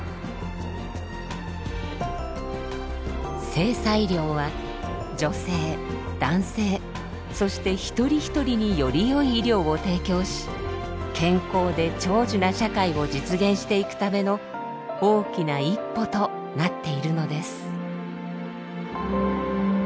性差医療は女性男性そして一人一人によりよい医療を提供し健康で長寿な社会を実現していくための大きな一歩となっているのです。